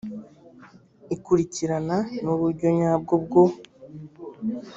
ikurikirana n uburyo nyabwo bwo